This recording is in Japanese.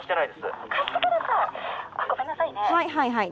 はいはいはい。